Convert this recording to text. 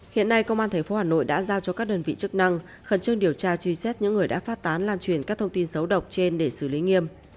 hiện nay công an tp hà nội đã giao cho các đơn vị chức năng khẩn trương điều tra truy xét những người đã phát tán lan truyền các thông tin xấu độc trên để xử lý nghiêm